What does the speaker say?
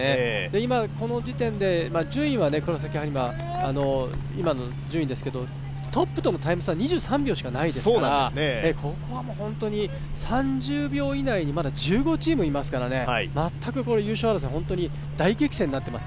今、この時点で順位は黒崎播磨、今の順位ですけど、トップのタイム差、２３秒しかないですから３０秒以内にまだ１５チームいますから、全く優勝争い、本当に大激戦になっています。